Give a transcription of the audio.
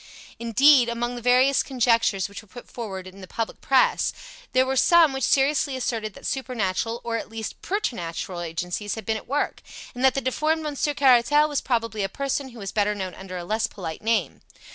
Indeed, among the various conjectures which were put forward in the public Press, there were some which seriously asserted that supernatural, or, at least, preternatural, agencies had been at work, and that the deformed Monsieur Caratal was probably a person who was better known under a less polite name.